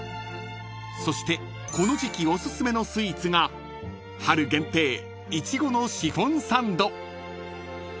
［そしてこの時季おすすめのスイーツが春限定イチゴのシフォンサンド］